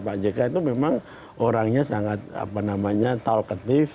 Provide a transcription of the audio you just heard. pak jk itu memang orangnya sangat talkative